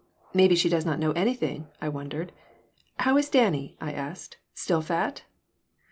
(" Maybe she does not know anything," I wondered.) "How is Danny?" I asked. "Still fat?"